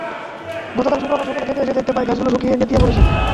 গতকাল শুক্রবার সকালে খেতে এসে দেখতে পাই গাছগুলো শুকিয়ে নেতিয়ে পড়েছে।